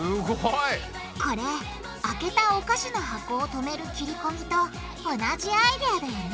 これ開けたおかしの箱をとめる切りこみと同じアイデアだよね